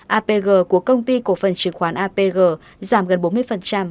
apg của công ty cổ phần chứng khoán apg giảm gần bốn mươi